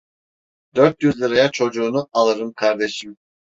Dört yüz liraya çocuğunu alırım kardeşim.